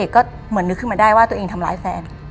ก็เหมือนนึกขึ้นมาได้ว่าตัวเองทำร้ายแฟน